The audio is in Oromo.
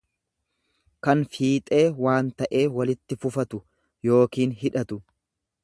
kan fiixee waan ta'ee walitti fufatu yookiin hidhatu.